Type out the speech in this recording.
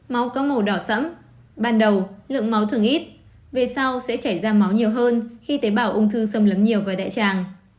máu có màu đỏ sẫm ban đầu lượng máu thường ít về sau sẽ chảy da máu nhiều hơn khi tế bào ung thư sâm lấm nhiều vào đại tràng